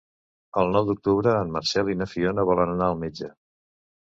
El nou d'octubre en Marcel i na Fiona volen anar al metge.